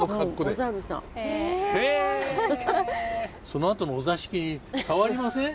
そのあとのお座敷に障りません？